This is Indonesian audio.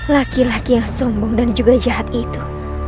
laki laki yang sombong dan juga jahat itu